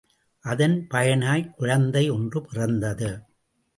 அதன் பயனாய்க் குழந்தை ஒன்று பிறந்தது.